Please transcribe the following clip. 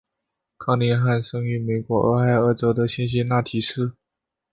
康宁汉生于美国俄亥俄州的辛辛那提市。